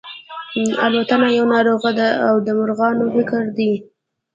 الوتنه یوه ناروغي ده دا د مرغانو فکر دی.